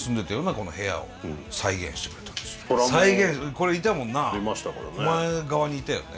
これいたもんなお前側にいたよね。